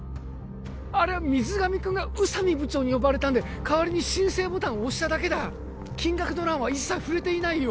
あれは水上くんが宇佐美部長に呼ばれたんでかわりに申請ボタンを押しただけだ金額の欄は一切触れていないよ